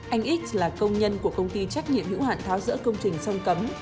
anh x là công nhân của công ty trách nhiệm hữu hạn tháo rỡ công trình sông cấm